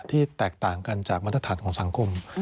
ที่แตกต่างกันจากวัฒนธรรมของสังคม